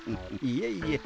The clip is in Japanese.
いえいえ。